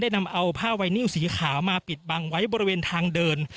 นำเอาผ้าไวนิวสีขาวมาปิดบังไว้บริเวณทางเดิน